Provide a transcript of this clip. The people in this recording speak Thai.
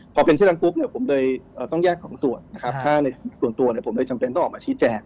พอเป็นเช่นทั้งปุ๊บผมเลยต้องแยกของส่วนถ้าในส่วนตัวผมจำเป็นต้องออกมาชี้แจก